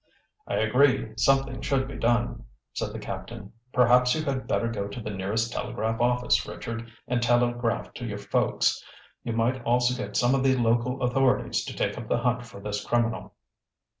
"I agree, something should be done," said the captain. "Perhaps you had better go to the nearest telegraph office, Richard, and telegraph to your folks. You might also get some of the local authorities to take up the hunt for this criminal."